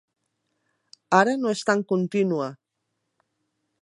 Ara no és tan contínua.